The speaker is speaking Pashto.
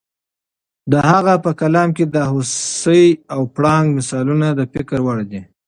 د هغه په کلام کې د هوسۍ او پړانګ مثالونه د فکر وړ دي.